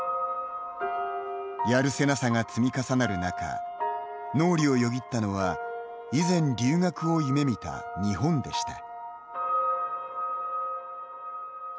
やるせなさが積み重なる中脳裏をよぎったのは以前、留学を夢見た日本でした。